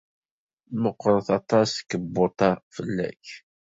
Meɣɣret aṭas tkebbuḍt-a fell-ak.